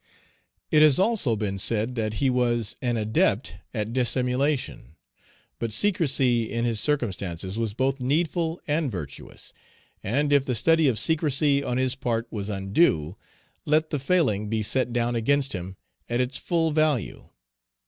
It has also been said that he was an adept at dissimulation. But secrecy in his Page 289 circumstances was both needful and virtuous; and, if the study of secrecy on his part was undue, let the failing be set down against him at its full value.